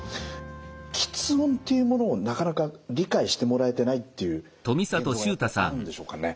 吃音というものをなかなか理解してもらえてないっていう現状がやっぱりあるんでしょうかね。